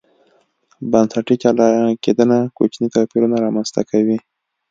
بنسټي جلا کېدنه کوچني توپیرونه رامنځته کوي.